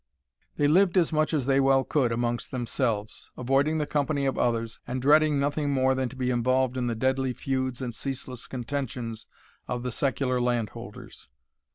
They lived as much as they well could amongst themselves, avoiding the company of others, and dreading nothing more than to be involved in the deadly feuds and ceaseless contentions of the secular landholders.